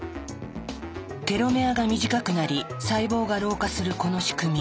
テロメアが短くなり細胞が老化するこの仕組み。